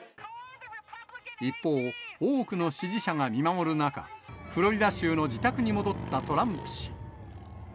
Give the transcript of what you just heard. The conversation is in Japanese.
一方、多くの支持者が見守る中、フロリダ州の自宅に戻ったトランプ氏。